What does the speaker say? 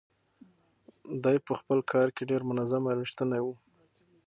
دی په خپل کار کې ډېر منظم او ریښتونی و.